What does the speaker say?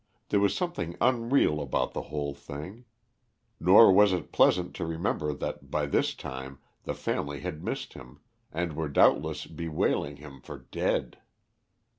There was something unreal about the whole thing. Nor was it pleasant to remember that by this time the family had missed him, and were doubtless bewailing him for dead.